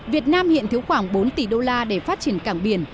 việt nam hiện thiếu khoảng bốn tỷ đô la để phát triển cảng biển